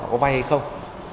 có vay hay không